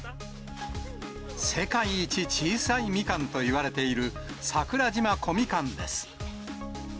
世界一小さいみかんといわれている桜島小みかんです。